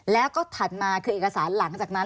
แล้วก็ถัดมาคือเอกสารหลังจากนั้น